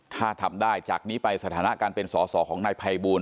ถ้าทำได้จากนี้ไปสถานะการเป็นสอสอของนายภัยบูล